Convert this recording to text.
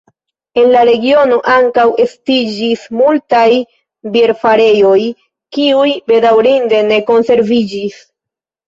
En la regiono ankaŭ estiĝis multaj bierfarejoj, kiuj bedaŭrinde ne konserviĝis.